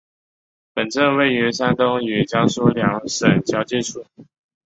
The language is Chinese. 本镇位于山东与江苏两省交界处。